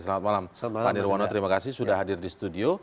selamat malam pak nirwono terima kasih sudah hadir di studio